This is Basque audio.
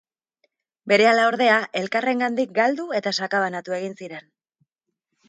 Berehala, ordea, elkarrengandik galdu eta sakabanatu egin ziren.